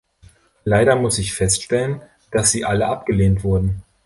Leider muss ich feststellen, dass sie alle abgelehnt wurden.